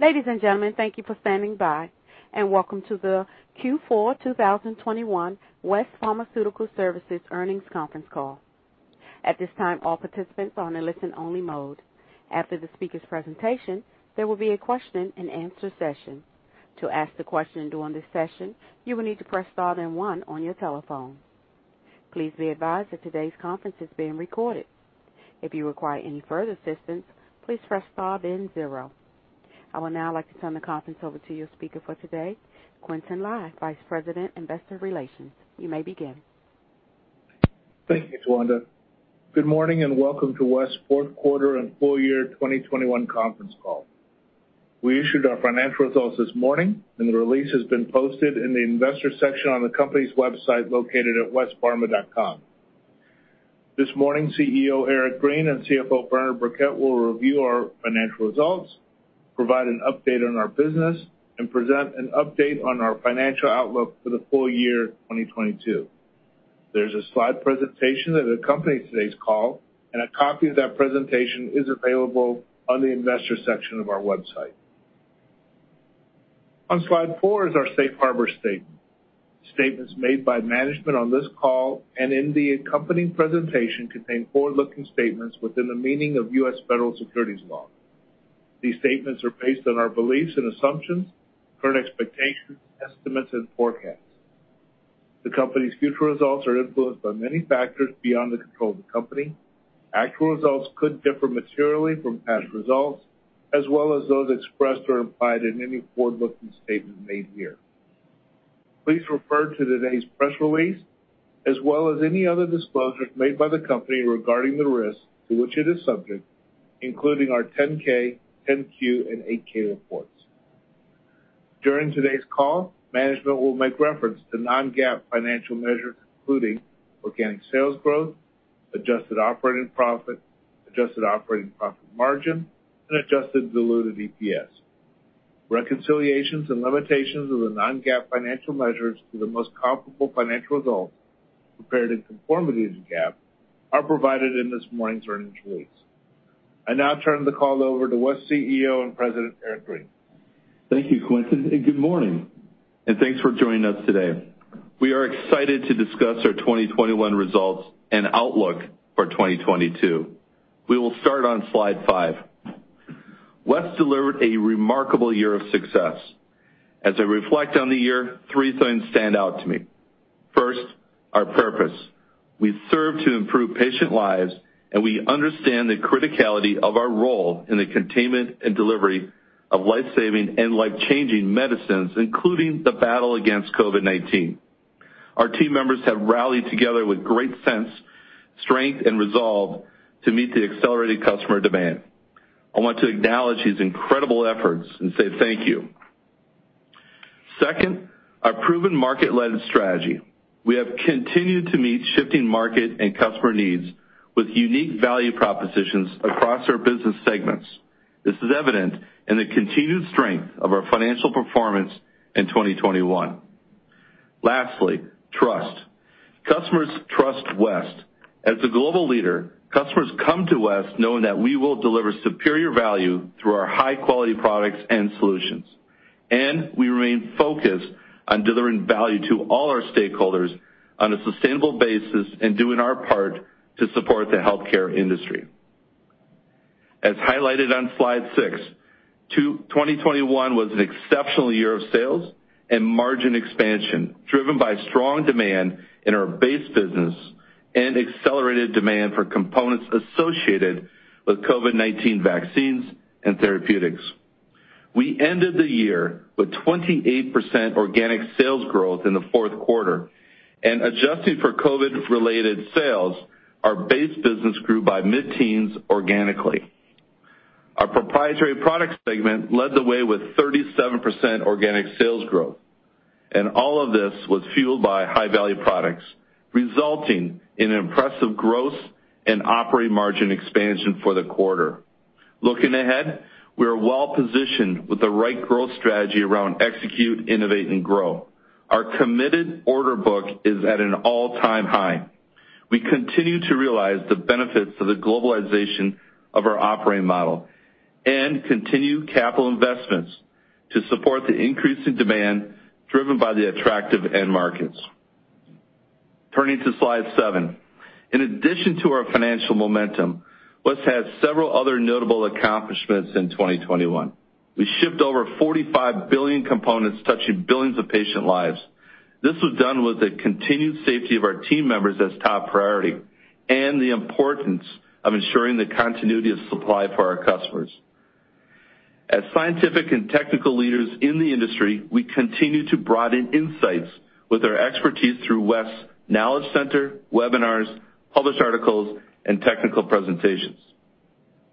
Ladies and gentlemen, thank you for standing by, and welcome to the Q4 2021 West Pharmaceutical Services earnings conference call. At this time, all participants are in a listen-only mode. After the speaker's presentation, there will be a question and answer session. To ask the question during this session, you will need to press star then one on your telephone. Please be advised that today's conference is being recorded. If you require any further assistance, please press star then zero. I would now like to turn the conference over to your speaker for today, Quintin Lai, Vice President, Investor Relations. You may begin. Thank you, Tawanda. Good morning, and welcome to West's fourth quarter and full year 2021 conference call. We issued our financial results this morning, and the release has been posted in the investor section on the company's website located at westpharma.com. This morning, CEO Eric Green and CFO Bernard Birkett will review our financial results, provide an update on our business, and present an update on our financial outlook for the full year 2022. There's a slide presentation that accompanies today's call, and a copy of that presentation is available on the investor section of our website. On slide four is our Safe Harbor Statement. Statements made by management on this call and in the accompanying presentation contain forward-looking statements within the meaning of U.S. federal securities law. These statements are based on our beliefs and assumptions, current expectations, estimates and forecasts. The company's future results are influenced by many factors beyond the control of the company. Actual results could differ materially from past results, as well as those expressed or implied in any forward-looking statement made here. Please refer to today's press release, as well as any other disclosures made by the company regarding the risks to which it is subject, including our 10-K, 10-Q, and 8-K reports. During today's call, management will make reference to non-GAAP financial measures, including organic sales growth, adjusted operating profit, adjusted operating profit margin, and adjusted diluted EPS. Reconciliations and limitations of the non-GAAP financial measures to the most comparable financial results prepared in conformity to GAAP are provided in this morning's earnings release. I now turn the call over to West's President and Chief Executive Officer, Eric Green. Thank you, Quintin, and good morning, and thanks for joining us today. We are excited to discuss our 2021 results and outlook for 2022. We will start on slide five. West delivered a remarkable year of success. As I reflect on the year, three things stand out to me. First, our purpose. We serve to improve patient lives, and we understand the criticality of our role in the containment and delivery of life-saving and life-changing medicines, including the battle against COVID-19. Our team members have rallied together with great sense, strength and resolve to meet the accelerated customer demand. I want to acknowledge these incredible efforts and say thank you. Second, our proven market-led strategy. We have continued to meet shifting market and customer needs with unique value propositions across our business segments. This is evident in the continued strength of our financial performance in 2021. Lastly, trust. Customers trust West. As a global leader, customers come to West knowing that we will deliver superior value through our high-quality products and solutions, and we remain focused on delivering value to all our stakeholders on a sustainable basis and doing our part to support the healthcare industry. As highlighted on slide six, 2021 was an exceptional year of sales and margin expansion, driven by strong demand in our base business and accelerated demand for components associated with COVID-19 vaccines and therapeutics. We ended the year with 28% organic sales growth in the fourth quarter, and adjusting for COVID-related sales, our base business grew by mid-teens organically. Our proprietary product segment led the way with 37% organic sales growth, and all of this was fueled by High-Value Products, resulting in impressive growth and operating margin expansion for the quarter. Looking ahead, we are well-positioned with the right growth strategy around execute, innovate and grow. Our committed order book is at an all-time high. We continue to realize the benefits of the globalization of our operating model and continue capital investments to support the increasing demand driven by the attractive end markets. Turning to slide seven. In addition to our financial momentum, West had several other notable accomplishments in 2021. We shipped over 45 billion components touching billions of patient lives. This was done with the continued safety of our team members as top priority and the importance of ensuring the continuity of supply for our customers. As scientific and technical leaders in the industry, we continue to broaden insights with our expertise through West's knowledge center, webinars, published articles and technical presentations.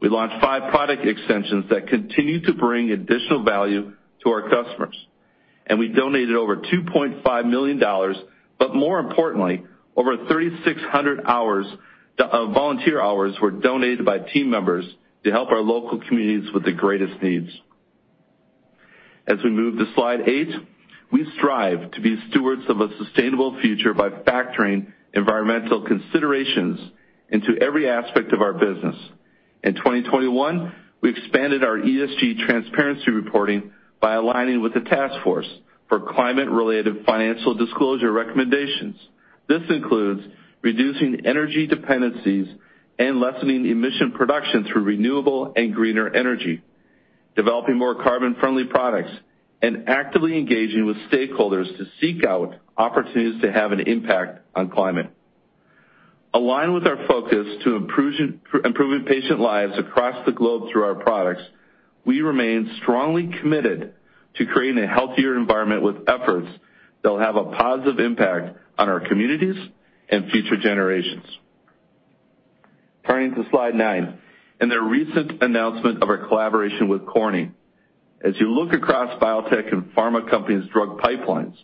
We launched five product extensions that continue to bring additional value to our customers. We donated over $2.5 million, but more importantly, over 3,600 hours, volunteer hours were donated by team members to help our local communities with the greatest needs. As we move to slide eight, we strive to be stewards of a sustainable future by factoring environmental considerations into every aspect of our business. In 2021, we expanded our ESG transparency reporting by aligning with the task force for climate-related financial disclosure recommendations. This includes reducing energy dependencies and lessening emission production through renewable and greener energy, developing more carbon-friendly products, and actively engaging with stakeholders to seek out opportunities to have an impact on climate. Aligned with our focus to improving patient lives across the globe through our products, we remain strongly committed to creating a healthier environment with efforts that will have a positive impact on our communities and future generations. Turning to slide nine, in the recent announcement of our collaboration with Corning, as you look across biotech and pharma companies' drug pipelines,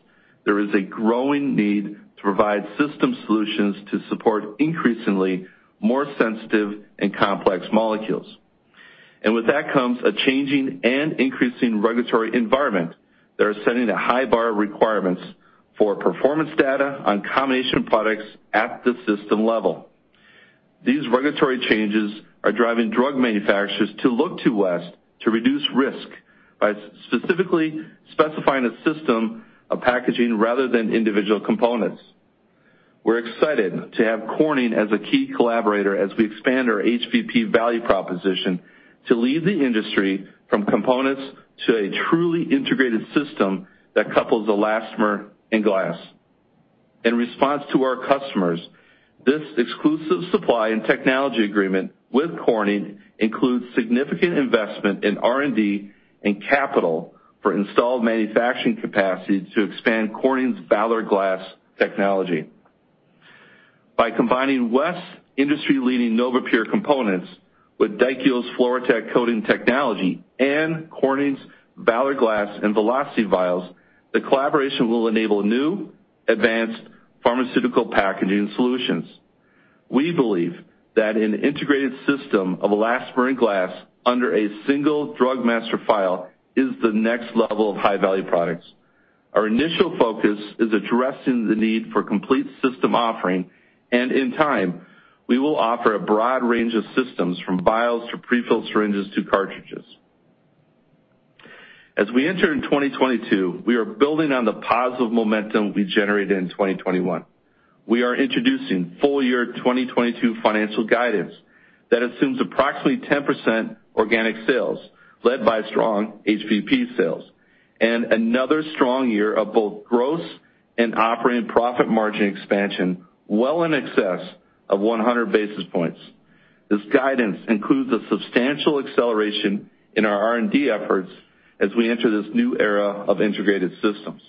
there is a growing need to provide system solutions to support increasingly more sensitive and complex molecules. With that comes a changing and increasing regulatory environment that are setting a high bar requirements for performance data on combination products at the system level. These regulatory changes are driving drug manufacturers to look to West to reduce risk by specifically specifying a system of packaging rather than individual components. We're excited to have Corning as a key collaborator as we expand our HVP value proposition to lead the industry from components to a truly integrated system that couples elastomer and glass. In response to our customers, this exclusive supply and technology agreement with Corning includes significant investment in R&D and capital for installed manufacturing capacity to expand Corning's Valor Glass technology. By combining West's industry-leading NovaPure components with Daikyo's FluroTec coating technology and Corning's Valor Glass and Velocity vials, the collaboration will enable new advanced pharmaceutical packaging solutions. We believe that an integrated system of elastomer and glass under a single drug master file is the next level of High-Value Products. Our initial focus is addressing the need for complete system offering, and in time, we will offer a broad range of systems from vials to pre-filled syringes to cartridges. As we enter in 2022, we are building on the positive momentum we generated in 2021. We are introducing full year 2022 financial guidance that assumes approximately 10% organic sales led by strong HVP sales and another strong year of both gross and operating profit margin expansion well in excess of 100 basis points. This guidance includes a substantial acceleration in our R&D efforts as we enter this new era of integrated systems.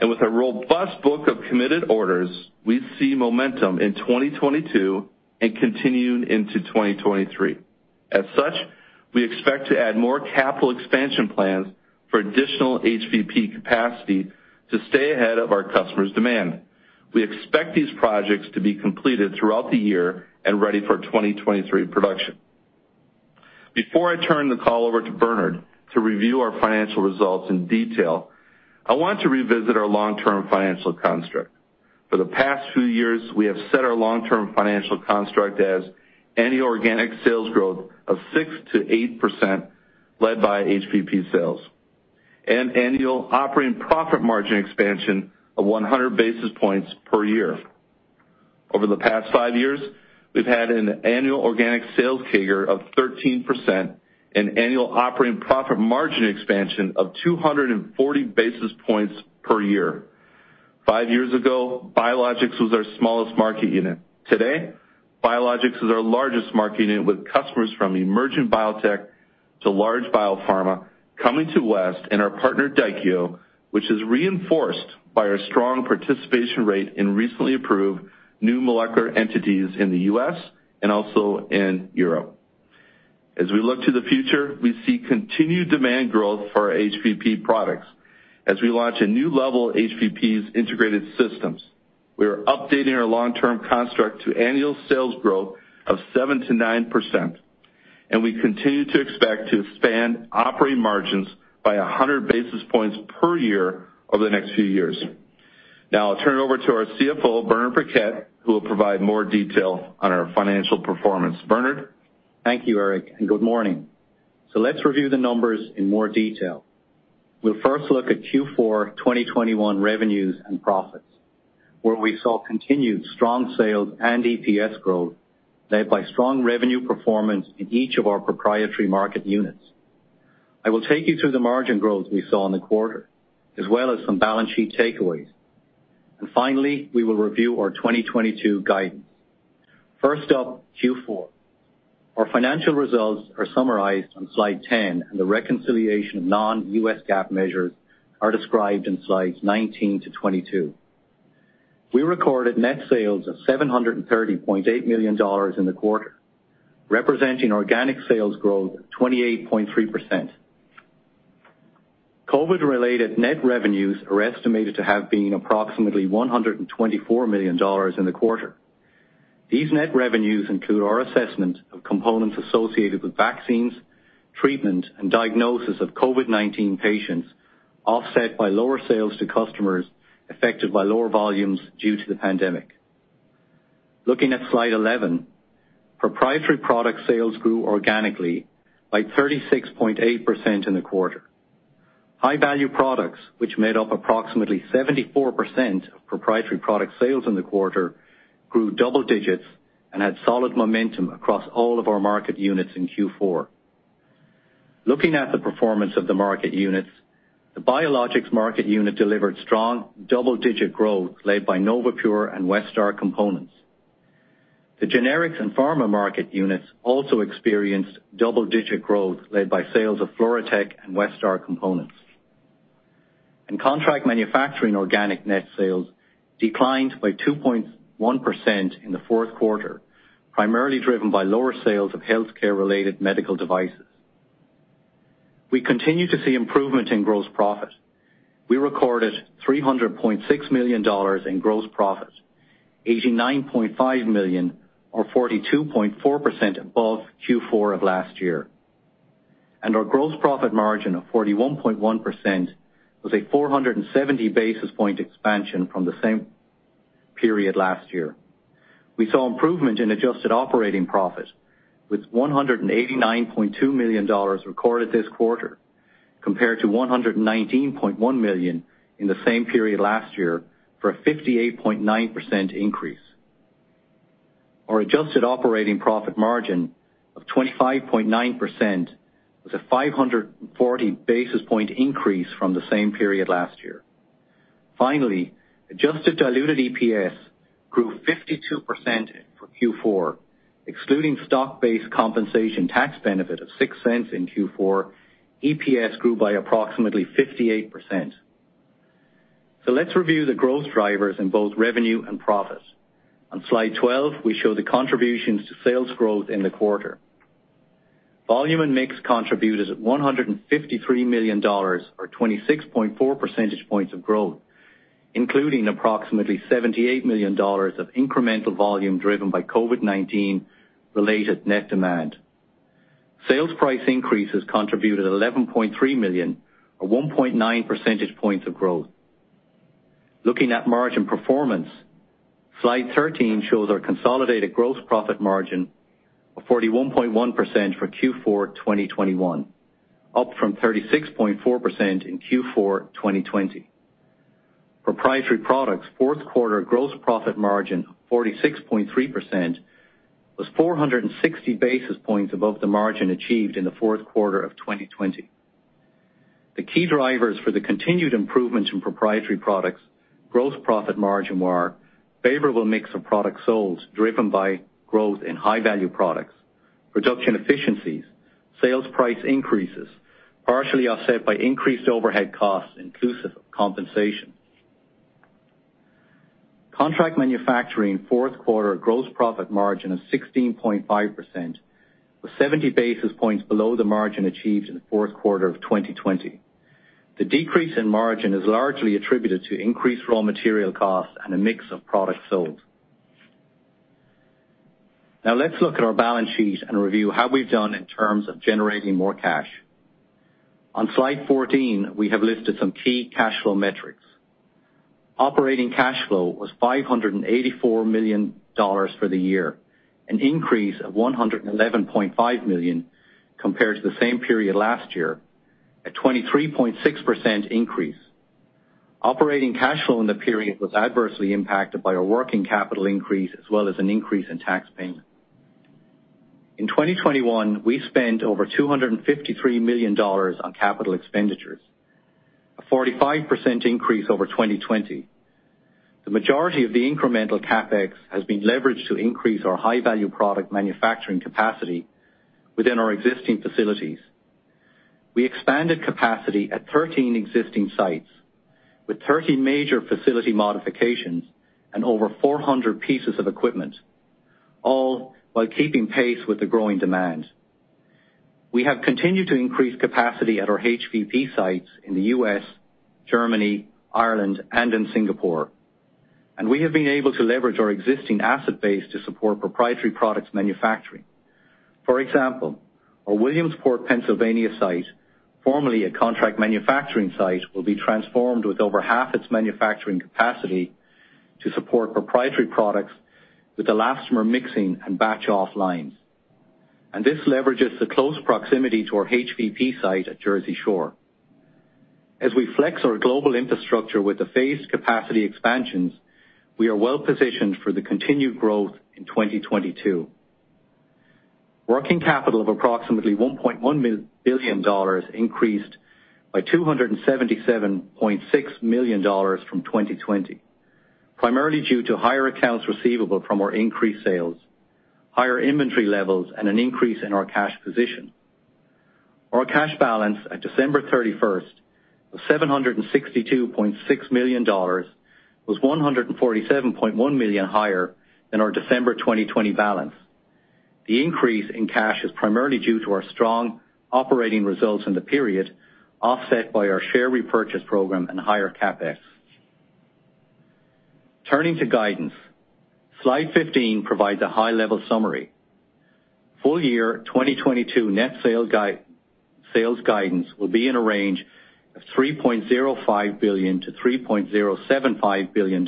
With a robust book of committed orders, we see momentum in 2022 and continuing into 2023. As such, we expect to add more capital expansion plans for additional HVP capacity to stay ahead of our customers' demand. We expect these projects to be completed throughout the year and ready for 2023 production. Before I turn the call over to Bernard to review our financial results in detail, I want to revisit our long-term financial construct. For the past few years, we have set our long-term financial construct as annual organic sales growth of 6%-8% led by HVP sales and annual operating profit margin expansion of 100 basis points per year. Over the past five years, we've had an annual organic sales CAGR of 13% and annual operating profit margin expansion of 240 basis points per year. Five years ago, Biologics was our smallest market unit. Today, Biologics is our largest market unit, with customers from emerging biotech to large biopharma coming to West and our partner, Daikyo, which is reinforced by our strong participation rate in recently approved new molecular entities in the U.S. and also in Europe. As we look to the future, we see continued demand growth for our HVP products. As we launch a new level of HVP's integrated systems, we are updating our long-term construct to annual sales growth of 7%-9%, and we continue to expect to expand operating margins by 100 basis points per year over the next few years. Now I'll turn it over to our CFO, Bernard Birkett, who will provide more detail on our financial performance. Bernard? Thank you, Eric, and good morning. Let's review the numbers in more detail. We'll first look at Q4 2021 revenues and profits, where we saw continued strong sales and EPS growth led by strong revenue performance in each of our proprietary market units. I will take you through the margin growth we saw in the quarter, as well as some balance sheet takeaways. Finally, we will review our 2022 guidance. First up, Q4. Our financial results are summarized on slide 10, and the reconciliation of non-GAAP measures are described in slides 19-22. We recorded net sales of $730.8 million in the quarter, representing organic sales growth of 28.3%. COVID-related net revenues are estimated to have been approximately $124 million in the quarter. These net revenues include our assessment of components associated with vaccines, treatment, and diagnosis of COVID-19 patients, offset by lower sales to customers affected by lower volumes due to the pandemic. Looking at slide 11, proprietary product sales grew organically by 36.8% in the quarter. High-value products, which made up approximately 74% of proprietary product sales in the quarter, grew double digits and had solid momentum across all of our market units in Q4. Looking at the performance of the market units, the Biologics market unit delivered strong double-digit growth led by NovaPure and Westar components. The Generics and Pharma market units also experienced double-digit growth led by sales of FluroTec and Westar components. In contract manufacturing, organic net sales declined by 2.1% in the fourth quarter, primarily driven by lower sales of healthcare-related medical devices. We continue to see improvement in gross profit. We recorded $300.6 million in gross profit, $89.5 million or 42.4% above Q4 of last year. Our gross profit margin of 41.1% was a 470 basis point expansion from the same period last year. We saw improvement in adjusted operating profit, with $189.2 million recorded this quarter compared to $119.1 million in the same period last year for a 58.9% increase. Our adjusted operating profit margin of 25.9% was a 540 basis point increase from the same period last year. Finally, adjusted diluted EPS grew 52% for Q4. Excluding stock-based compensation tax benefit of $0.06 in Q4, EPS grew by approximately 58%. Let's review the growth drivers in both revenue and profit. On slide 12, we show the contributions to sales growth in the quarter. Volume and mix contributed $153 million or 26.4 percentage points of growth, including approximately $78 million of incremental volume driven by COVID-19-related net demand. Sales price increases contributed $11.3 million or 1.9 percentage points of growth. Looking at margin performance, slide 13 shows our consolidated gross profit margin of 41.1% for Q4 2021, up from 36.4% in Q4 2020. Proprietary Products' fourth quarter gross profit margin of 46.3% was 460 basis points above the margin achieved in the fourth quarter of 2020. The key drivers for the continued improvements in Proprietary Products gross profit margin were favorable mix of products sold, driven by growth in High-Value Products, production efficiencies, sales price increases, partially offset by increased overhead costs, inclusive of compensation. Contract Manufacturing fourth quarter gross profit margin of 16.5% was 70 basis points below the margin achieved in the fourth quarter of 2020. The decrease in margin is largely attributed to increased raw material costs and a mix of products sold. Now let's look at our balance sheet and review how we've done in terms of generating more cash. On slide 14, we have listed some key cash flow metrics. Operating cash flow was $584 million for the year, an increase of $111.5 million compared to the same period last year, a 23.6% increase. Operating cash flow in the period was adversely impacted by a working capital increase as well as an increase in tax payment. In 2021, we spent over $253 million on capital expenditures, a 45% increase over 2020. The majority of the incremental CapEx has been leveraged to increase our high-value product manufacturing capacity within our existing facilities. We expanded capacity at 13 existing sites with 13 major facility modifications and over 400 pieces of equipment, all while keeping pace with the growing demand. We have continued to increase capacity at our HVP sites in the U.S., Germany, Ireland, and in Singapore, and we have been able to leverage our existing asset base to support proprietary products manufacturing. For example, our Williamsport, Pennsylvania site, formerly a contract manufacturing site, will be transformed with over half its manufacturing capacity to support proprietary products with elastomer mixing and batch offline. This leverages the close proximity to our HVP site at Jersey Shore. As we flex our global infrastructure with the phased capacity expansions, we are well-positioned for the continued growth in 2022. Working capital of approximately $1.1 billion increased by $277.6 million from 2020, primarily due to higher accounts receivable from our increased sales, higher inventory levels, and an increase in our cash position. Our cash balance at December 31st of $762.6 million was $147.1 million higher than our December 2020 balance. The increase in cash is primarily due to our strong operating results in the period, offset by our share repurchase program and higher CapEx. Turning to guidance. Slide 15 provides a high-level summary. Full year 2022 net sales guidance will be in a range of $3.05 billion-$3.075 billion.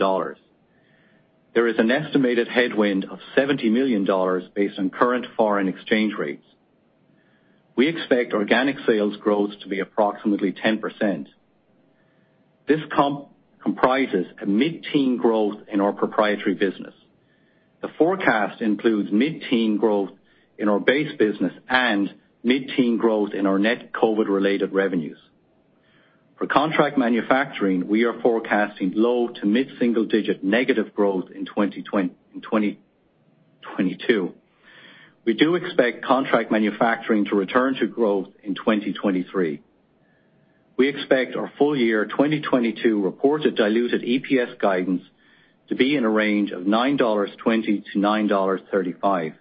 There is an estimated headwind of $70 million based on current foreign exchange rates. We expect organic sales growth to be approximately 10%. This comprises a mid-teen growth in our proprietary business. The forecast includes mid-teen growth in our base business and mid-teen growth in our net COVID-related revenues. For contract manufacturing, we are forecasting low- to mid-single-digit negative growth in 2022. We do expect contract manufacturing to return to growth in 2023. We expect our full-year 2022 reported diluted EPS guidance to be in a range of $9.20-$9.35.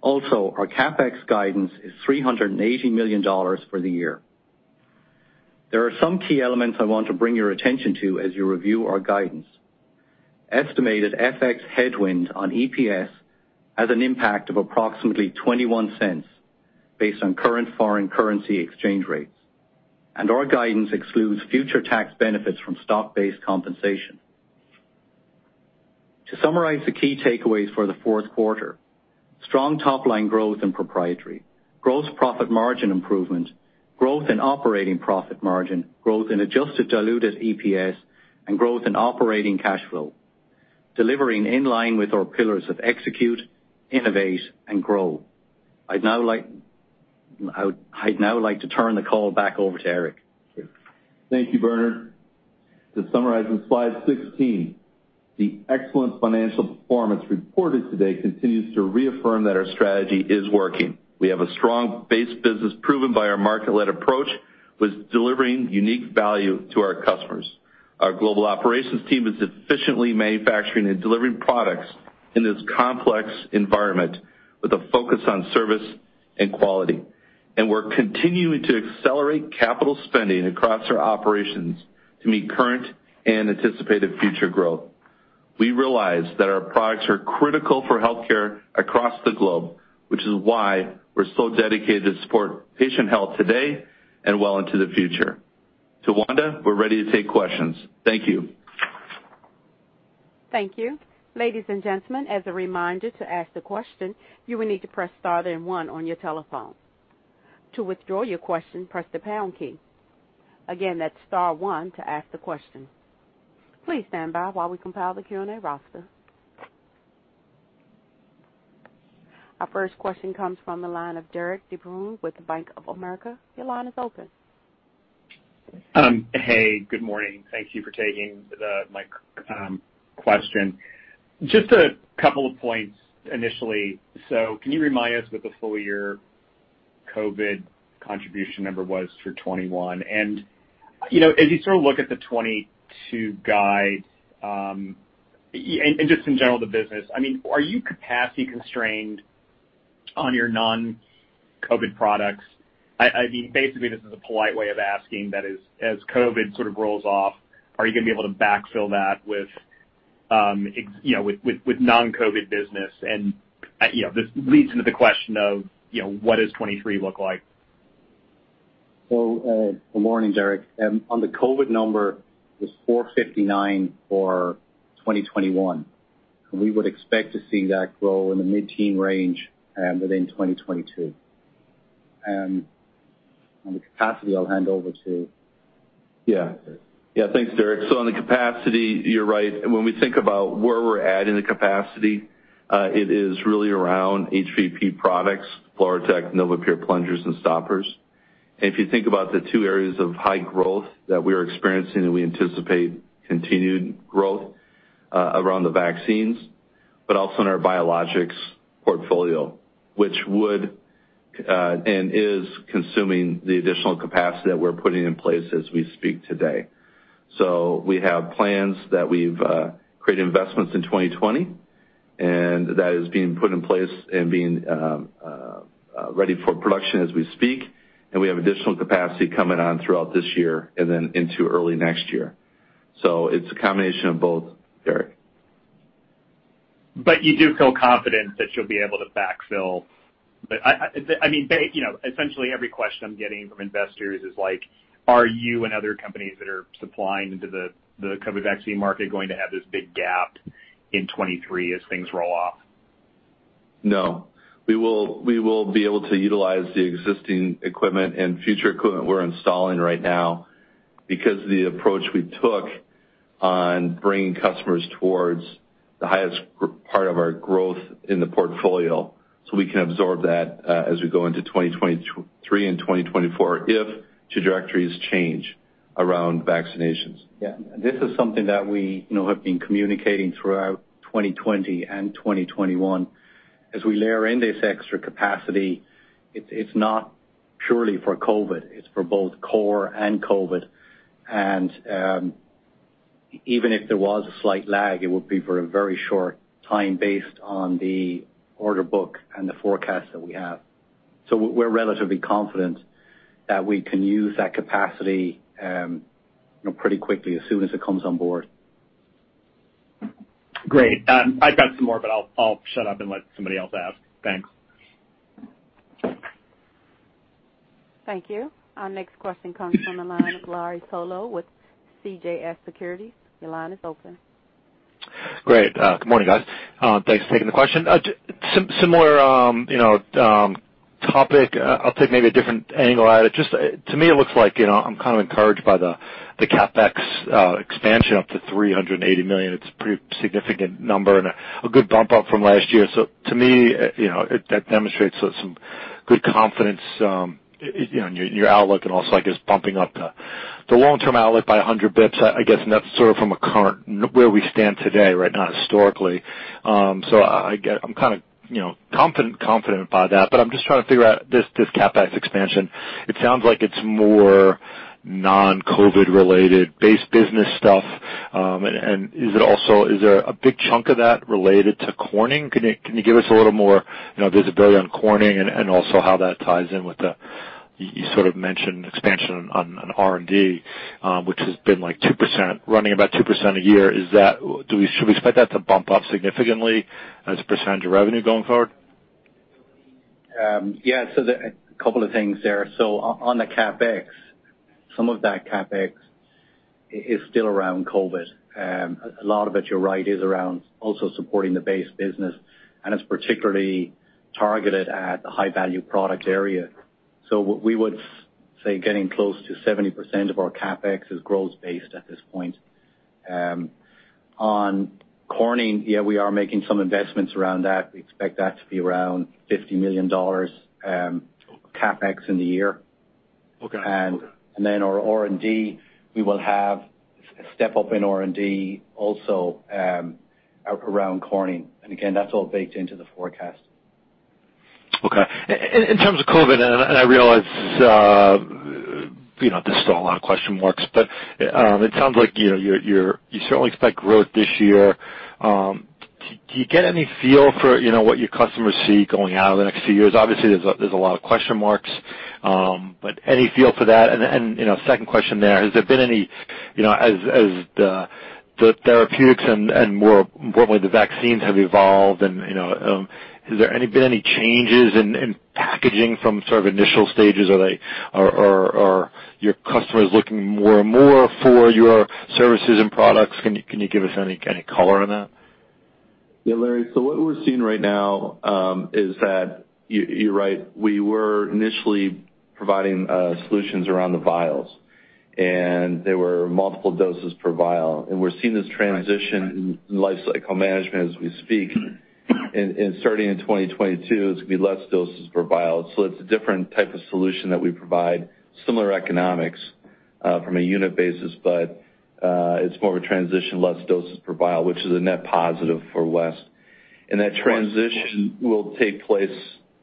Also, our CapEx guidance is $380 million for the year. There are some key elements I want to bring your attention to as you review our guidance. Estimated FX headwind on EPS has an impact of approximately $0.21 based on current foreign currency exchange rates. Our guidance excludes future tax benefits from stock-based compensation. To summarize the key takeaways for the fourth quarter, strong top line growth in proprietary, gross profit margin improvement, growth in operating profit margin, growth in adjusted diluted EPS, and growth in operating cash flow, delivering in line with our pillars of Execute, Innovate and Grow. I'd now like to turn the call back over to Eric. Thank you, Bernard. To summarize on slide 16, the excellent financial performance reported today continues to reaffirm that our strategy is working. We have a strong base business proven by our market-led approach with delivering unique value to our customers. Our global operations team is efficiently manufacturing and delivering products in this complex environment with a focus on service and quality. We're continuing to accelerate capital spending across our operations to meet current and anticipated future growth. We realize that our products are critical for healthcare across the globe, which is why we're so dedicated to support patient health today and well into the future. Tawanda, we're ready to take questions. Thank you. Thank you. Ladies and gentlemen, as a reminder, to ask the question, you will need to press star then one on your telephone. To withdraw your question, press the pound key. Again, that's star one to ask the question. Please stand by while we compile the Q&A roster. Our first question comes from the line of Derik De Bruin with Bank of America. Your line is open. Hey, good morning. Thank you for taking my question. Just a couple of points initially. Can you remind us what the full year COVID contribution number was for 2021? You know, as you sort of look at the 2022 guide, and just in general the business, I mean, are you capacity constrained on your non-COVID products? I mean, basically this is a polite way of asking that is, as COVID sort of rolls off, are you gonna be able to backfill that with, you know, with non-COVID business? You know, this leads into the question of, you know, what does 2023 look like? Good morning, Derik. On the COVID number, it was $459 for 2021. We would expect to see that grow in the mid-teens range within 2022. On the capacity, I'll hand over to.. Yeah. Yeah. Thanks, Derik. On the capacity, you're right. When we think about where we're adding the capacity, it is really around HVP products, FluroTec, NovaPure plungers and stoppers. If you think about the two areas of high growth that we are experiencing, and we anticipate continued growth, around the vaccines, but also in our Biologics portfolio, which is consuming the additional capacity that we're putting in place as we speak today. We have plans that we've created investments in 2020, and that is being put in place and being ready for production as we speak. We have additional capacity coming on throughout this year and then into early next year. It's a combination of both, Derik. You do feel confident that you'll be able to backfill. I mean, you know, essentially every question I'm getting from investors is like, are you and other companies that are supplying into the COVID vaccine market going to have this big gap in 2023 as things roll off? No. We will be able to utilize the existing equipment and future equipment we're installing right now because the approach we took on bringing customers towards the highest part of our growth in the portfolio, so we can absorb that, as we go into 2023 and 2024 if trajectories change around vaccinations. Yeah. This is something that we, you know, have been communicating throughout 2020 and 2021. As we layer in this extra capacity, it's not purely for COVID, it's for both core and COVID. Even if there was a slight lag, it would be for a very short time based on the order book and the forecast that we have. We're relatively confident that we can use that capacity, you know, pretty quickly as soon as it comes on board. Great. I've got some more, but I'll shut up and let somebody else ask. Thanks. Thank you. Our next question comes from the line of Larry Solow with CJS Securities. Your line is open. Great. Good morning, guys. Thanks for taking the question. Similar, you know, topic, I'll take maybe a different angle at it. Just, to me, it looks like, you know, I'm kind of encouraged by the CapEx expansion up to $380 million. It's a pretty significant number and a good bump up from last year. To me, you know, it demonstrates some good confidence, you know, in your outlook and also, I guess, bumping up the long-term outlook by 100 basis points. I guess, and that's sort of from a current, where we stand today, right, not historically. I'm kinda, you know, confident about that, but I'm just trying to figure out this CapEx expansion. It sounds like it's more non-COVID related base business stuff. Is it also a big chunk of that related to Corning? Can you give us a little more, you know, visibility on Corning and also how that ties in with the you sort of mentioned expansion on R&D, which has been, like, 2%, running about 2% a year. Should we expect that to bump up significantly as a percentage of revenue going forward? A couple of things there. On the CapEx, some of that CapEx is still around COVID. A lot of it, you're right, is around also supporting the base business, and it's particularly targeted at the high-value product area. What we would say getting close to 70% of our CapEx is growth-based at this point. On Corning, yeah, we are making some investments around that. We expect that to be around $50 million CapEx in the year. Okay. Then our R&D, we will have a step up in R&D also, around Corning. Again, that's all baked into the forecast. Okay. In terms of COVID, I realize, you know, there's still a lot of question marks, but it sounds like, you know, you certainly expect growth this year. Do you get any feel for, you know, what your customers see going out over the next few years? Obviously, there's a lot of question marks, but any feel for that? You know, second question there, has there been any, you know, as the therapeutics and more the vaccines have evolved and, you know, has there been any changes in packaging from sort of initial stages? Are they your customers looking more and more for your services and products? Can you give us any color on that? Yeah, Larry. What we're seeing right now is that you're right. We were initially providing solutions around the vials, and there were multiple doses per vial, and we're seeing this transition in lifecycle management as we speak. Starting in 2022, it's gonna be less doses per vial. It's a different type of solution that we provide, similar economics from a unit basis, but it's more of a transition, less doses per vial, which is a net positive for West. That transition will take place.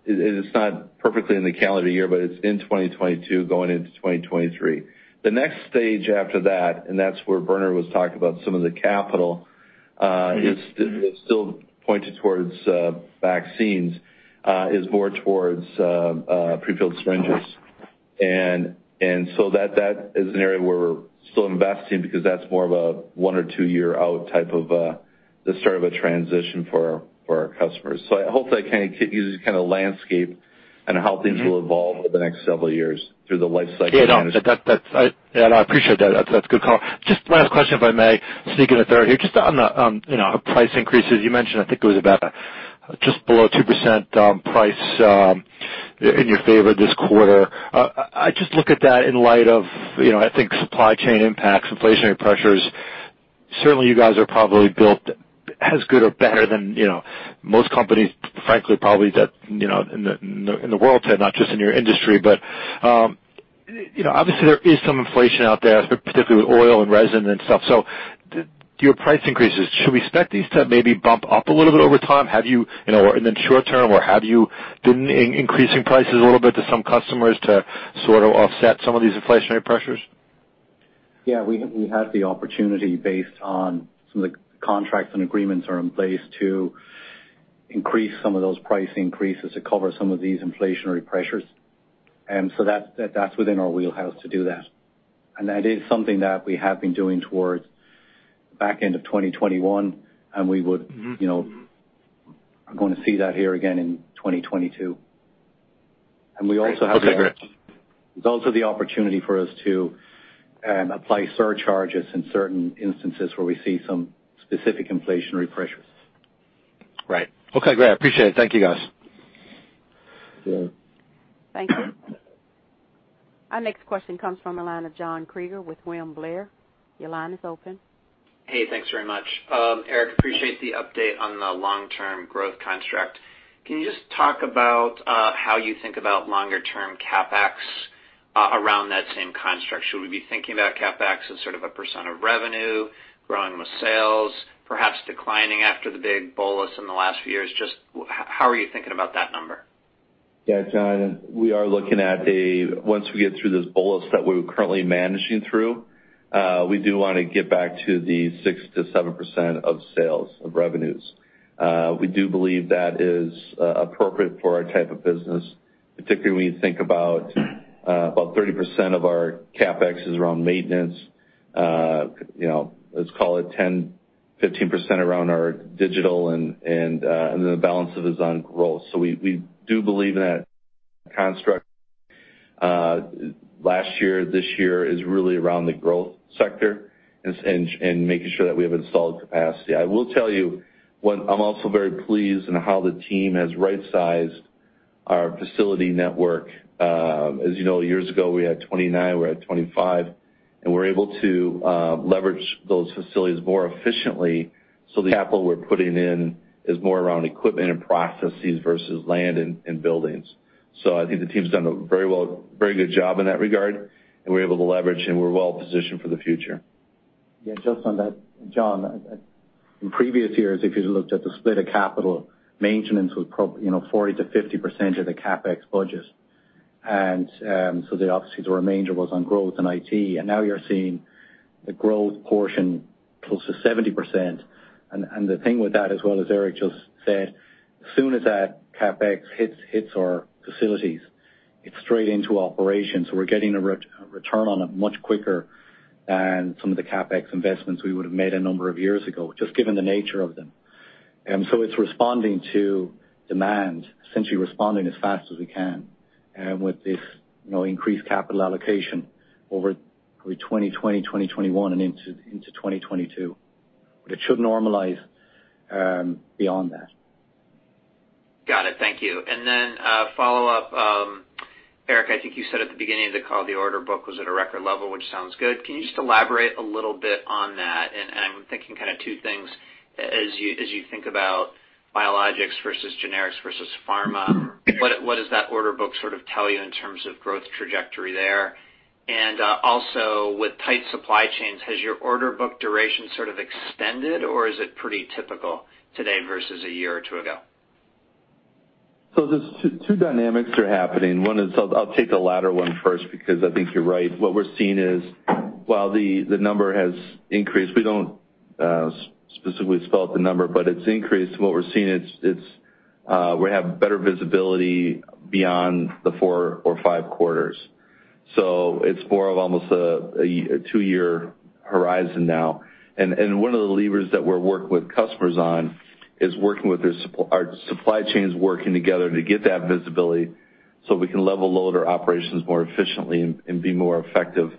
It's not perfectly in the calendar year, but it's in 2022 going into 2023. The next stage after that's where Bernard was talking about some of the capital, is still pointed towards vaccines, more towards prefilled syringes. That is an area where we're still investing because that's more of a one or two year out type of the start of a transition for our customers. I hope that kind of gives you kind of landscape and how things will evolve over the next several years through the lifecycle management. Yeah, no. That's. Yeah, and I appreciate that. That's a good call. Just my last question, if I may sneak in a third here. Just on the you know, price increases you mentioned, I think it was about just below 2% price in your favor this quarter. I just look at that in light of, you know, I think supply chain impacts, inflationary pressures. Certainly, you guys are probably built as good or better than, you know, most companies, frankly, probably that you know, in the world today, not just in your industry. You know, obviously there is some inflation out there, particularly with oil and resin and stuff. Your price increases, should we expect these to maybe bump up a little bit over time? Have you know, in the short term, or have you been increasing prices a little bit to some customers to sort of offset some of these inflationary pressures? Yeah. We have the opportunity based on some of the contracts and agreements are in place to increase some of those price increases to cover some of these inflationary pressures. That's within our wheelhouse to do that. That is something that we have been doing towards back end of 2021, and we would- Mm-hmm. You know, we are gonna see that here again in 2022. We also have Great. Okay, great. There's also the opportunity for us to apply surcharges in certain instances where we see some specific inflationary pressures. Right. Okay, great. I appreciate it. Thank you, guys. Yeah. Thank you. Our next question comes from the line of John Kreger with William Blair. Your line is open. Hey, thanks very much. Eric, appreciate the update on the long-term growth construct. Can you just talk about how you think about longer term CapEx around that same construct? Should we be thinking about CapEx as sort of a percentage of revenue growing with sales, perhaps declining after the big bolus in the last few years? Just how are you thinking about that number? Yeah, John, we are looking at once we get through this bolus that we're currently managing through, we do wanna get back to the 6%-7% of sales of revenues. We do believe that is appropriate for our type of business, particularly when you think about 30% of our CapEx is around maintenance. Let's call it 10%, 15% around our digital and the balance is on growth. We do believe in that construct. Last year, this year is really around the growth sector and making sure that we have installed capacity. I will tell you, one, I'm also very pleased in how the team has right-sized our facility network. As you know, years ago, we had 29%, we're at 25%, and we're able to leverage those facilities more efficiently, so the capital we're putting in is more around equipment and processes versus land and buildings. I think the team's done a very good job in that regard, and we're able to leverage, and we're well positioned for the future. Yeah, just on that, John. In previous years, if you looked at the split of capital, maintenance was probably you know, 40%-50% of the CapEx budget. Obviously, the remainder was on growth and IT. Now you're seeing the growth portion close to 70%. The thing with that as well, as Eric just said, as soon as that CapEx hits our facilities, it's straight into operations. We're getting a return on it much quicker than some of the CapEx investments we would've made a number of years ago, just given the nature of them. It's responding to demand, essentially responding as fast as we can, with this, you know, increased capital allocation over probably 2020, 2021 and into 2022. It should normalize beyond that. Got it. Thank you. A follow-up. Eric, I think you said at the beginning of the call, the order book was at a record level, which sounds good. Can you just elaborate a little bit on that? I'm thinking kinda two things as you think about Biologics versus generics versus pharma, what does that order book sort of tell you in terms of growth trajectory there? Also with tight supply chains, has your order book duration sort of extended, or is it pretty typical today versus a year or two ago? There's two dynamics happening. One is. I'll take the latter one first because I think you're right. What we're seeing is while the number has increased, we don't specifically spell out the number, but it's increased. What we're seeing, we have better visibility beyond the four or five quarters. It's more of almost a two-year horizon now. One of the levers that we're working with customers on is working with our supply chains working together to get that visibility, so we can level load our operations more efficiently and be more effective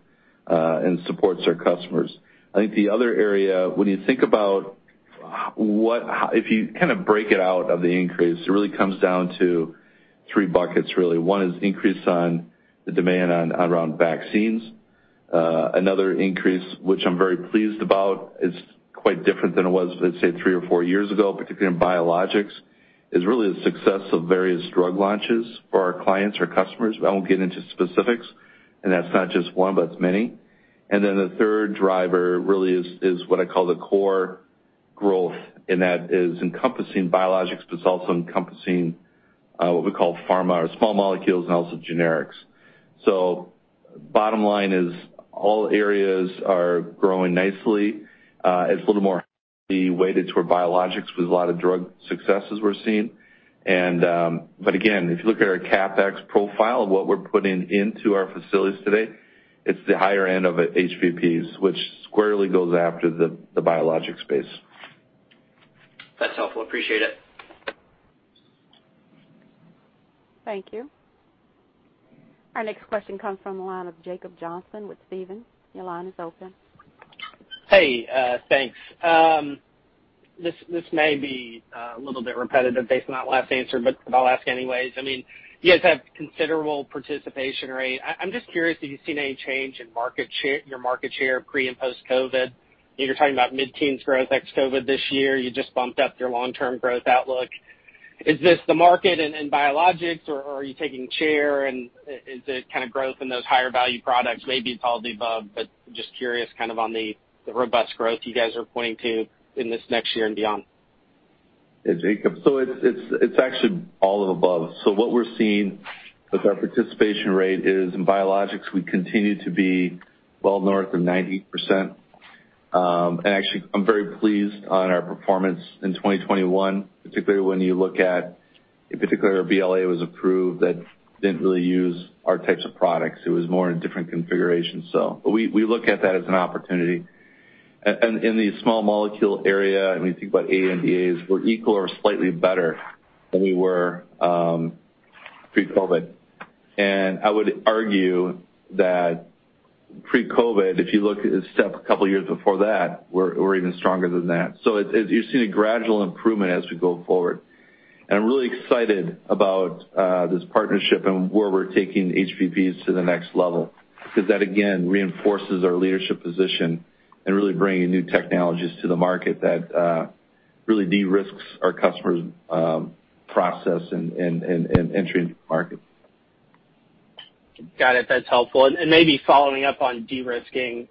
and supports our customers. I think the other area, when you think about if you kinda break it out of the increase, it really comes down to three buckets, really. One is increase on the demand around vaccines. Another increase, which I'm very pleased about, it's quite different than it was, let's say three or four years ago, particularly in Biologics, is really the success of various drug launches for our clients or customers. I won't get into specifics, and that's not just one, but it's many. Then the third driver really is what I call the core growth, and that is encompassing Biologics, but it's also encompassing what we call pharma or small molecules and also generics. Bottom line is all areas are growing nicely. It's a little more weighted toward Biologics with a lot of drug successes we're seeing. But again, if you look at our CapEx profile of what we're putting into our facilities today, it's the higher end of HVPs, which squarely goes after the biologic space. That's helpful. Appreciate it. Thank you. Our next question comes from the line of Jacob Johnson with Stephens. Your line is open. Hey, thanks. This may be a little bit repetitive based on that last answer, but I'll ask anyways. I mean, you guys have considerable participation rate. I'm just curious if you've seen any change in market share, your market share pre and post COVID. You're talking about mid-teens growth ex COVID this year. You just bumped up your long-term growth outlook. Is this the market in biologics, or are you taking share and is it kinda growth in those higher value products? Maybe it's all of the above, but just curious kind of on the robust growth you guys are pointing to in this next year and beyond. Yeah, Jacob. It's actually all of the above. What we're seeing with our participation rate is in Biologics, we continue to be well north of 90%. Actually, I'm very pleased on our performance in 2021, particularly when you look at, in particular, our BLA was approved that didn't really use our types of products. It was more in different configurations. We look at that as an opportunity. In the small molecule area, when you think about ANDAs, we're equal or slightly better than we were pre-COVID. I would argue that pre-COVID, if you look a step a couple years before that, we're even stronger than that. You're seeing a gradual improvement as we go forward. I'm really excited about this partnership and where we're taking HVPs to the next level because that, again, reinforces our leadership position and really bringing new technologies to the market that really de-risks our customers' process and entering the market. Got it. That's helpful. Maybe following up on de-risking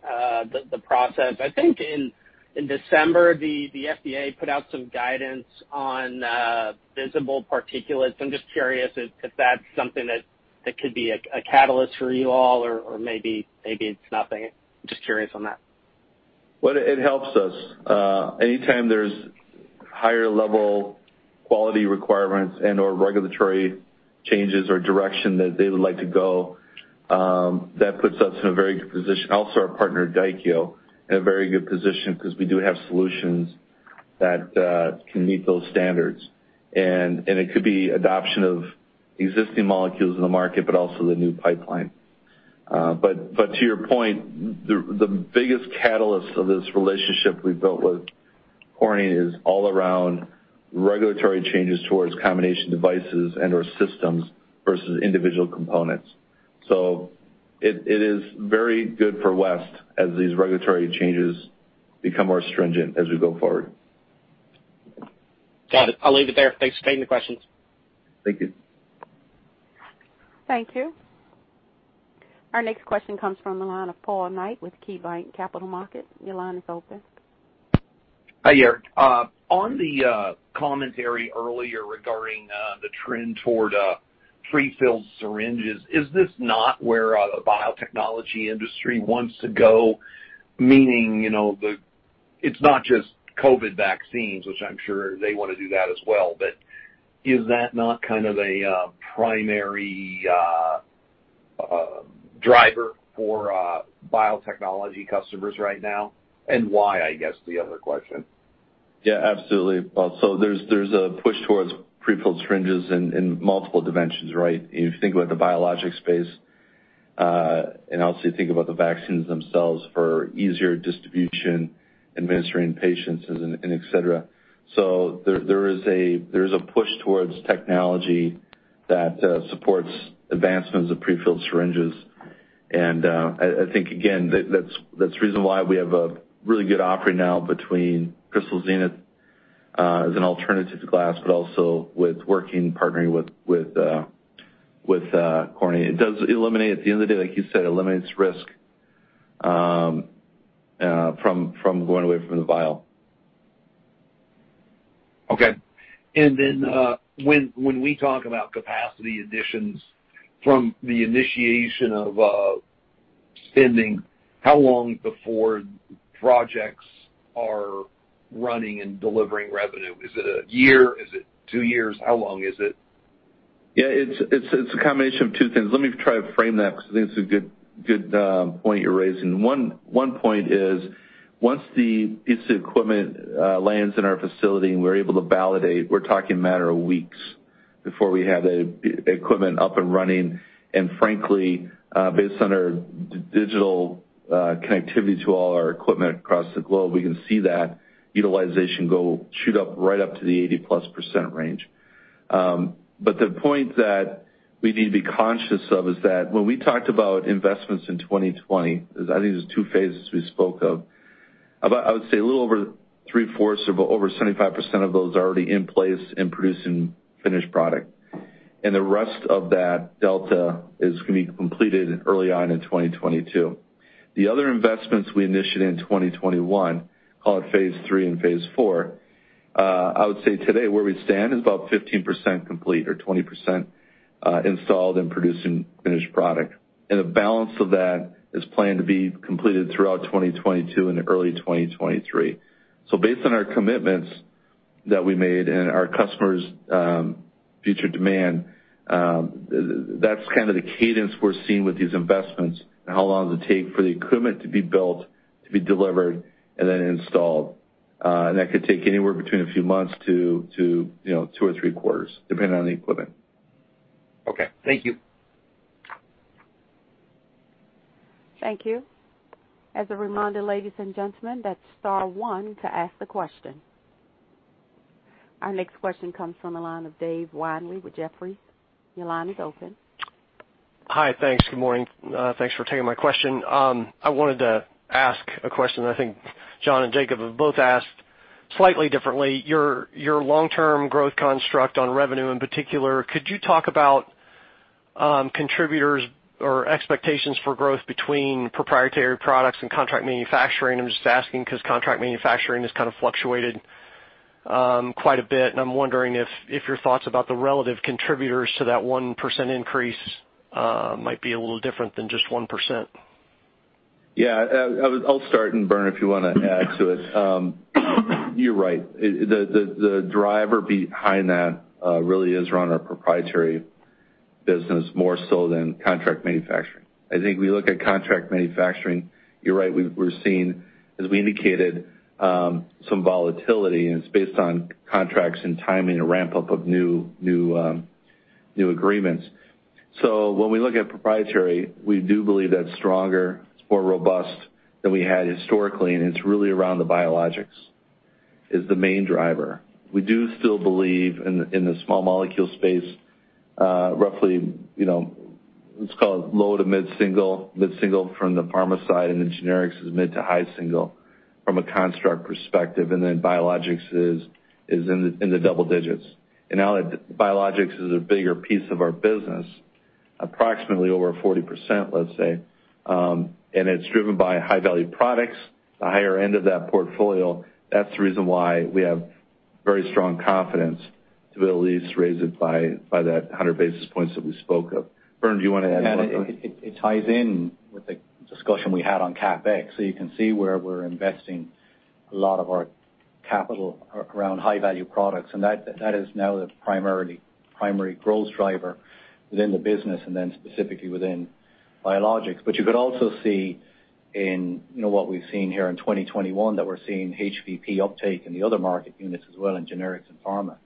the process. I think in December, the FDA put out some guidance on visible particulates. I'm just curious if that's something that could be a catalyst for you all or maybe it's nothing. Just curious on that. Well, it helps us. Anytime there's higher level quality requirements and/or regulatory changes or direction that they would like to go, that puts us in a very good position. Also our partner, Daikyo, in a very good position 'cause we do have solutions that can meet those standards. It could be adoption of existing molecules in the market, but also the new pipeline. To your point, the biggest catalyst of this relationship we've built with Corning is all around regulatory changes towards combination devices and/or systems versus individual components. It is very good for West as these regulatory changes become more stringent as we go forward. Got it. I'll leave it there. Thanks for taking the questions. Thank you. Thank you. Our next question comes from the line of Paul Knight with KeyBanc Capital Markets. Your line is open. Hi, Eric. On the commentary earlier regarding the trend toward prefilled syringes, is this not where the biotechnology industry wants to go? Meaning, you know, it's not just COVID vaccines, which I'm sure they wanna do that as well, but is that not kind of a primary driver for biotechnology customers right now? Why, I guess the other question. Yeah, absolutely, Paul. There's a push towards prefilled syringes in multiple dimensions, right? If you think about the biologics space and also you think about the vaccines themselves for easier distribution, administering patients and et cetera. There's a push towards technology that supports advancements of prefilled syringes. I think again, that's the reason why we have a really good offering now between Crystal Zenith as an alternative to glass, but also partnering with Corning. It eliminates risk, at the end of the day, like you said, from going away from the vial. Okay. When we talk about capacity additions from the initiation of spending, how long before projects are running and delivering revenue? Is it a year? Is it two years? How long is it? Yeah. It's a combination of two things. Let me try to frame that because I think it's a good point you're raising. One point is once the piece of equipment lands in our facility and we're able to validate, we're talking a matter of weeks before we have the equipment up and running. Frankly, based on our digital connectivity to all our equipment across the globe, we can see that utilization go shoot up right up to the 80%+ range. The point that we need to be conscious of is that when we talked about investments in 2020, 'cause I think there's two phases we spoke of. I would say a little over 3/4 or over 75% of those are already in place and producing finished product. The rest of that delta is gonna be completed early on in 2022. The other investments we initiate in 2021, call it phase III and phase IV, I would say today, where we stand is about 15% complete or 20%, installed and producing finished product. The balance of that is planned to be completed throughout 2022 and early 2023. Based on our commitments that we made and our customers', future demand, that's kind of the cadence we're seeing with these investments and how long does it take for the equipment to be built, to be delivered and then installed. That could take anywhere between a few months to, you know, two or three quarters, depending on the equipment. Okay. Thank you. Thank you. As a reminder, ladies and gentlemen, that's star one to ask the question. Our next question comes from the line of Dave Windley with Jefferies. Your line is open. Hi. Thanks. Good morning. Thanks for taking my question. I wanted to ask a question that I think John and Jacob have both asked slightly differently. Your long-term growth construct on revenue in particular, could you talk about contributors or expectations for growth between proprietary products and contract manufacturing? I'm just asking 'cause contract manufacturing has kind of fluctuated quite a bit, and I'm wondering if your thoughts about the relative contributors to that 1% increase might be a little different than just 1%. Yeah. I'll start and Bern, if you wanna add to it. You're right. The driver behind that really is around our proprietary business more so than contract manufacturing. I think we look at contract manufacturing, you're right, we're seeing, as we indicated, some volatility, and it's based on contracts and timing and ramp up of new agreements. When we look at proprietary, we do believe that's stronger, it's more robust than we had historically, and it's really around the Biologics is the main driver. We do still believe in the small molecule space, roughly, you know, let's call it low- to mid-single, mid-single from the pharma side, and the generics is mid- to high single. From a construct perspective, and then Biologics is in the double digits. Now that Biologics is a bigger piece of our business, approximately over 40%, let's say, and it's driven by High-Value Products, the higher end of that portfolio, that's the reason why we have very strong confidence to be able to at least raise it by that 100 basis points that we spoke of. Bern, do you wanna add anything? Yeah, it ties in with the discussion we had on CapEx. You can see where we're investing a lot of our capital around High-Value Products. That is now the primary growth driver within the business, and then specifically within Biologics. You could also see in, you know, what we've seen here in 2021, that we're seeing HVP uptake in the other market units as well in Generics and Pharma.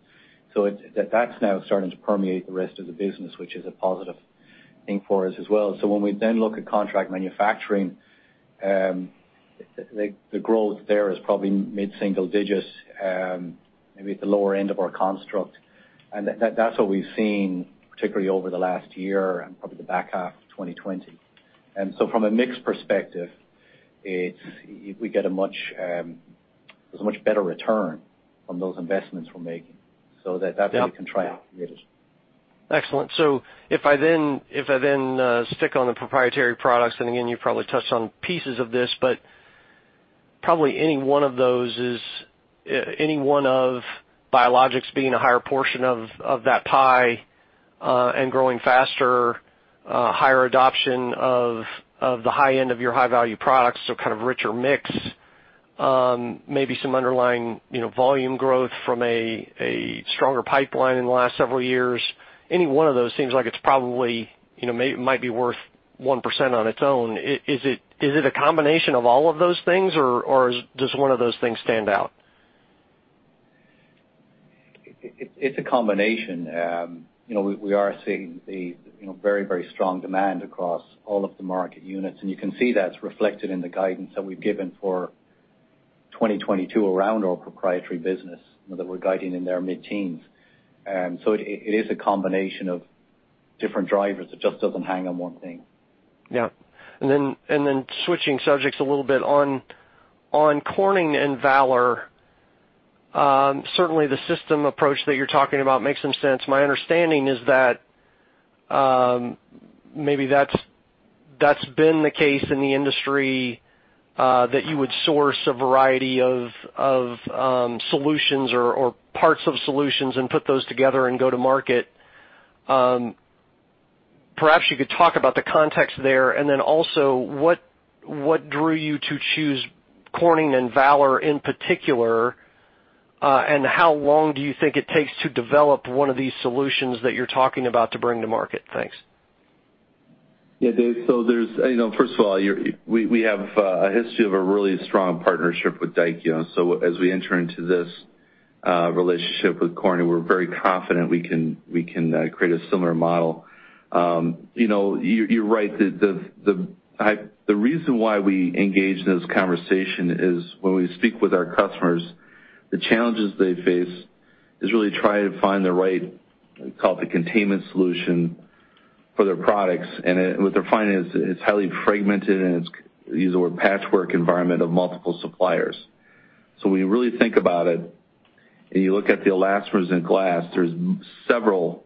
That's now starting to permeate the rest of the business, which is a positive thing for us as well. When we then look at contract manufacturing, the growth there is probably mid-single digits, maybe at the lower end of our construct. That's what we've seen, particularly over the last year and probably the back half of 2020. From a mix perspective, there's a much better return from those investments we're making that we can try out. Excellent. If I then stick on the proprietary products, and again, you probably touched on pieces of this, but probably any one of those, like biologics being a higher portion of that pie, and growing faster, higher adoption of the high end of your High-Value Products, so kind of richer mix, maybe some underlying, you know, volume growth from a stronger pipeline in the last several years. Any one of those seems like it's probably, you know, might be worth 1% on its own. Is it a combination of all of those things, or does one of those things stand out? It's a combination. You know, we are seeing, you know, very strong demand across all of the market units. You can see that's reflected in the guidance that we've given for 2022 around our proprietary business that we're guiding in the mid-teens. It is a combination of different drivers. It just doesn't hang on one thing. Yeah. Switching subjects a little bit. On Corning and Valor, certainly the system approach that you're talking about makes some sense. My understanding is that maybe that's been the case in the industry that you would source a variety of solutions or parts of solutions and put those together and go to market. Perhaps you could talk about the context there, and then also what drew you to choose Corning and Valor in particular, and how long do you think it takes to develop one of these solutions that you're talking about to bring to market? Thanks. Yeah, Dave. You know, first of all, we have a history of a really strong partnership with Daikyo. As we enter into this relationship with Corning, we're very confident we can create a similar model. You know, you're right. The reason why we engaged in this conversation is when we speak with our customers, the challenges they face is really trying to find the right, call it the containment solution for their products. What they're finding is it's highly fragmented, and it's either a patchwork environment of multiple suppliers. When you really think about it, and you look at the elastomers in glass, there's several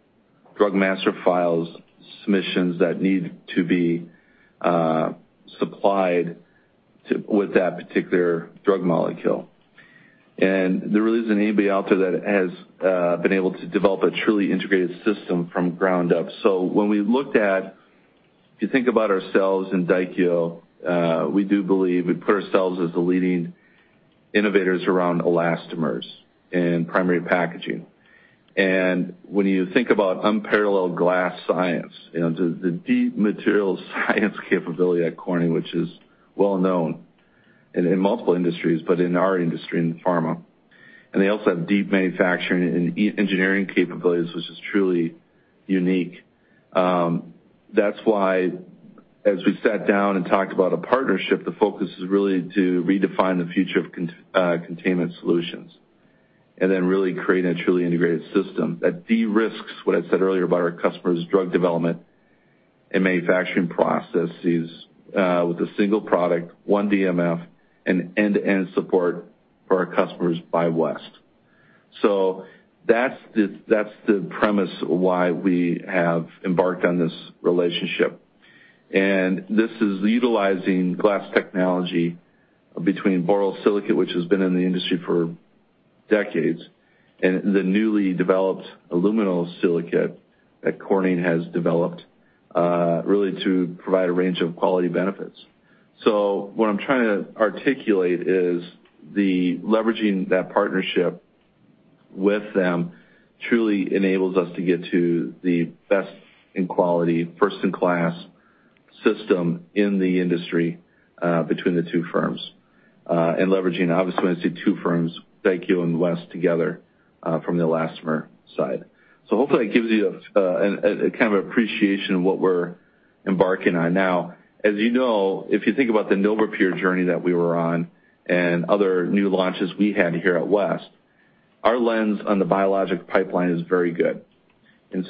Drug Master File submissions that need to be supplied to with that particular drug molecule. There really isn't anybody out there that has been able to develop a truly integrated system from ground up. When we looked at if you think about ourselves and Daikyo, we do believe we put ourselves as the leading innovators around elastomers and primary packaging. When you think about unparalleled glass science, you know, the deep material science capability at Corning, which is well known in multiple industries, but in our industry, in pharma. They also have deep manufacturing and engineering capabilities, which is truly unique. That's why as we sat down and talked about a partnership, the focus is really to redefine the future of containment solutions, and then really create a truly integrated system that de-risks what I said earlier about our customer's drug development and manufacturing processes with a single product, one DMF, and end-to-end support for our customers by West. That's the premise why we have embarked on this relationship. This is utilizing glass technology between borosilicate, which has been in the industry for decades, and the newly developed aluminosilicate that Corning has developed really to provide a range of quality benefits. What I'm trying to articulate is the leveraging that partnership with them truly enables us to get to the best in quality, first in class system in the industry between the two firms. Leveraging, obviously, when I say two firms, Daikyo and West together, from the elastomer side. Hopefully that gives you a kind of appreciation of what we're embarking on. Now, as you know, if you think about the NovaPure journey that we were on and other new launches we had here at West, our lens on the Biologics pipeline is very good. That's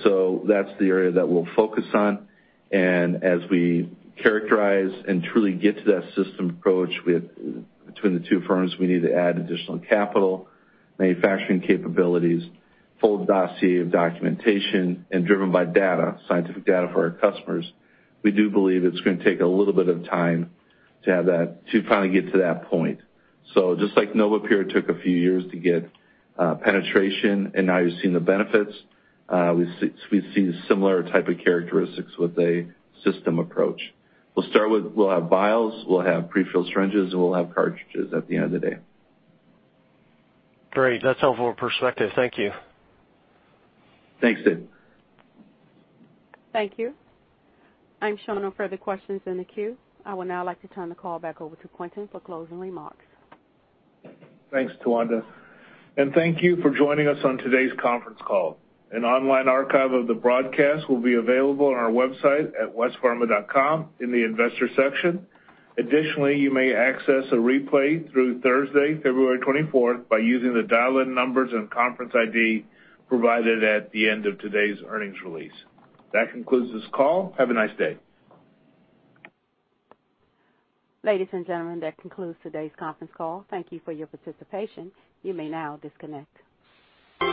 the area that we'll focus on. As we characterize and truly get to that system approach with between the two firms, we need to add additional capital, manufacturing capabilities, full dossier of documentation, and driven by data, scientific data for our customers. We do believe it's gonna take a little bit of time to finally get to that point. Just like NovaPure took a few years to get penetration and now you're seeing the benefits, we see similar type of characteristics with a system approach. We'll have vials, we'll have pre-filled syringes, and we'll have cartridges at the end of the day. Great. That's helpful perspective. Thank you. Thanks, Dave. Thank you. I'm shown no further questions in the queue. I would now like to turn the call back over to Quintin for closing remarks. Thanks, Tawanda. Thank you for joining us on today's conference call. An online archive of the broadcast will be available on our website at westpharma.com in the Investor section. Additionally, you may access a replay through Thursday, February 24th, by using the dial-in numbers and conference ID provided at the end of today's earnings release. That concludes this call. Have a nice day. Ladies and gentlemen, that concludes today's conference call. Thank you for your participation. You may now disconnect.